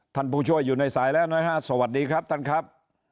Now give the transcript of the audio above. ผู้ช่วยอยู่ในสายแล้วนะฮะสวัสดีครับท่านครับ